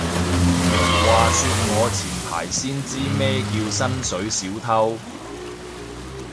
話說我前排先知咩係薪水小偷